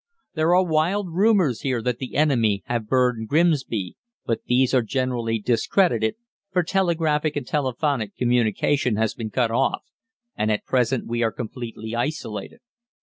"There are wild rumours here that the enemy have burned Grimsby, but these are generally discredited, for telegraphic and telephonic communication has been cut off, and at present we are completely isolated.